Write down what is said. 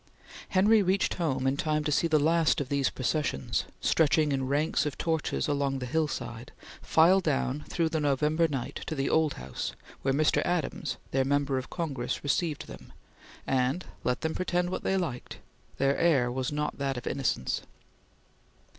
Henry reached home in time to see the last of these processions, stretching in ranks of torches along the hillside, file down through the November night; to the Old House, where Mr. Adams, their Member of Congress, received them, and, let them pretend what they liked, their air was not that of innocence.